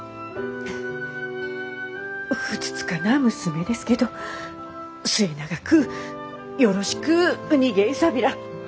ふつつかな娘ですけど末永くよろしくお願いさびら。